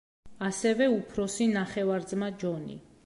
ასევე უფროსი ნახევარ-ძმა ჯონი.